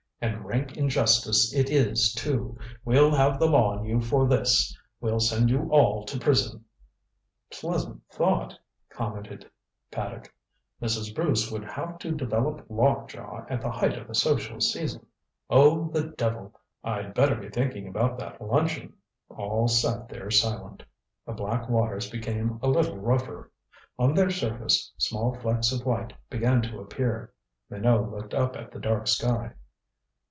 And rank injustice it is, too. We'll have the law on you for this. We'll send you all to prison." "Pleasant thought," commented Paddock. "Mrs. Bruce would have to develop lockjaw at the height of the social season. Oh, the devil I'd better be thinking about that luncheon." All thought. All sat there silent. The black waters became a little rougher. On their surface small flecks of white began to appear. Minot looked up at the dark sky.